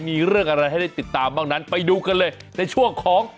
มีเรื่องอะไรให้ได้ติดตามบ้างนั้นไปดูกันเลยในช่วงของ